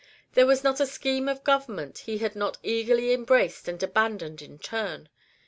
There was not a scheme of government he had not eagerly embraced and abandoned in turn.